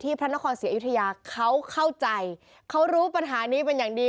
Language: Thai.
พระนครศรีอยุธยาเขาเข้าใจเขารู้ปัญหานี้เป็นอย่างดี